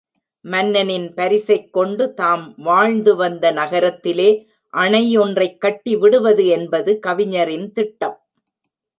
மன்னனின் பரிசைக் கொண்டு, தாம் வாழ்ந்துவந்த நகரத்திலே அணை ஒன்றைக் கட்டி விடுவது என்பது கவிஞரின் திட்டம்.